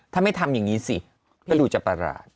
ถ้าไม่ทำอย่างนี้สิก็ดูจะประหลาด